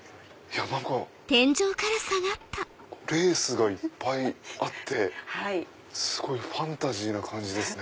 何かレースがいっぱいあってすごいファンタジーな感じですね。